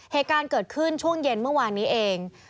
เหตุการณ์เกิดขึ้นช่วงเย็นเมื่อวานนี้เอง